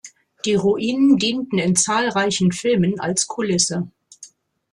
Die Ruinen dienten in zahlreichen Filmen als Kulisse.